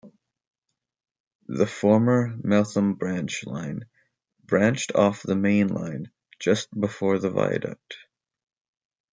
The former Meltham branch line branched off the main line just before the viaduct.